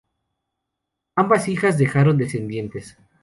Ambas hijas dejaron descendientes.